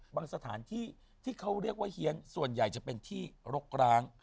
สถานที่ที่เขาเรียกว่าเฮียนส่วนใหญ่จะเป็นที่รกร้าง